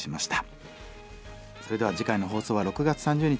それでは次回の放送は６月３０日